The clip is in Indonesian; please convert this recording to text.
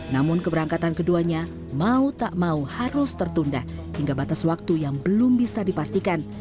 namun keberangkatan keduanya mau tak mau harus tertunda hingga batas waktu yang belum bisa dipastikan